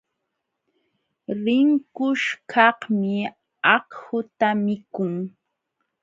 Rinqushkaqmi akhuta mikun.